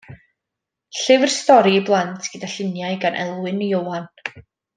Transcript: Llyfr stori i blant gyda lluniau gan Elwyn Ioan.